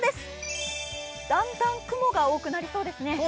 だんだん雲が多くなりそうですね。